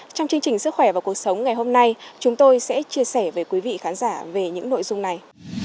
trong chương trình sức khỏe và cuộc sống ngày hôm nay chúng tôi sẽ chia sẻ với quý vị khán giả về những nội dung này